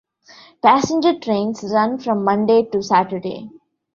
Passenger trains run from Monday to Saturday.